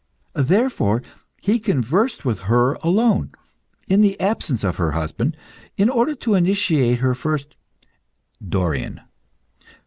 Therefore he conversed with her alone, in the absence of her husband, in order to initiate her first DORION.